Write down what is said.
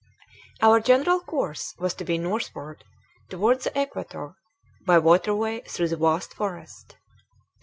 Our general course was to be northward toward the equator, by waterway through the vast forest.